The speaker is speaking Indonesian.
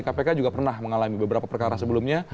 kpk juga pernah mengalami beberapa perkara sebelumnya